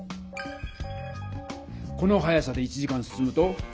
この速さで１時間進むと？